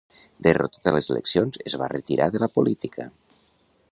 Derrotat a les eleccions, es va retirar de la política.